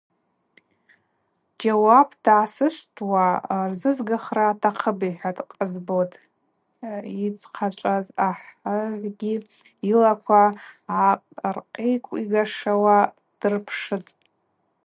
Джьауапта йгӏасышвтуа рзызгахра атахъыпӏ,–йхӏван Къасбот йыдзхъачӏваз ахыгӏвгьи йылаква гӏархъыкӏвигашауа дырпшытӏ.